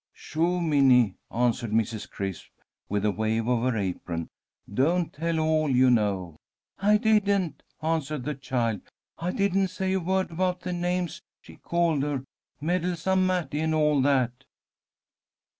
"Shoo, Minnie!" answered Mrs. Crisp, with a wave of her apron. "Don't tell all you know." "I didn't," answered the child. "I didn't say a word about the names she called her, meddlesome Matty, and all that."